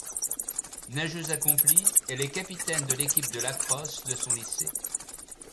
Nageuse accomplie, elle est capitaine de l'équipe de lacrosse de son lycée.